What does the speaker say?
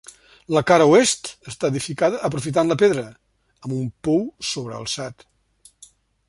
La cara oest està edificada aprofitant la pedra, amb un pou sobrealçat.